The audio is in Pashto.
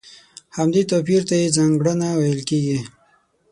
همدې توپير ته يې ځانګړنه ويل کېږي.